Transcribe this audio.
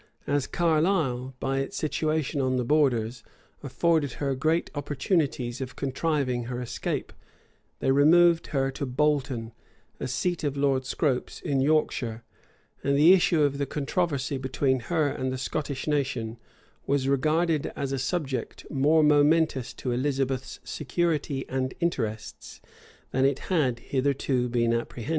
As Carlisle, by its situation on the borders, afforded her great opportunities of contriving her escape, they removed her to Bolton, a seat of Lord Scrope's in Yorkshire; and the issue of the controversy between her and the Scottish nation was regarded as a subject more momentous to Elizabeth's security and interests than it had hitherto been apprehended.